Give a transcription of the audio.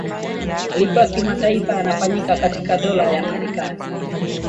malipo ya kimataifa yanafanyika katika dola ya kimarekani